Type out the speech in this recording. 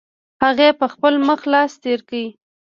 هغې په خپل مخ لاس تېر کړ.